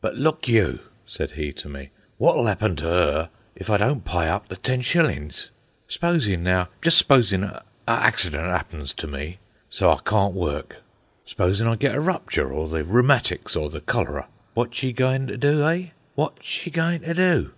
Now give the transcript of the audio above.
"But look you," said he to me, "wot'll 'appen to 'er if I don't py up the ten shillings? S'posin', now, just s'posin' a accident 'appens to me, so I cawn't work. S'posin' I get a rupture, or the rheumatics, or the cholera. Wot's she goin' to do, eh? Wot's she goin' to do?"